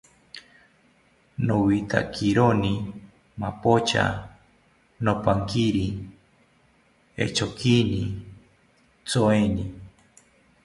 Nowitakironi mapocha, nopaquiri echonkini tyoeni